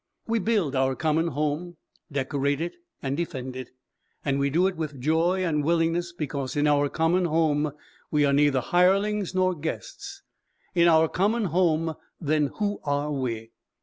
We build our common home, decorate it and defend it, and we do it with joy and willingness because in our common home we are neither hirelings nor guests. In our common home, then, who are we?